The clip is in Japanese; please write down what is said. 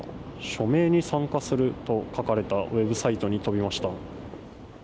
署名に参加すると書かれたウェブサイトに飛びました。